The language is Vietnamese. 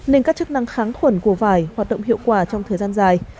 nên các chức năng kháng khuẩn của vải hoạt động hiệu quả trong thời gian dài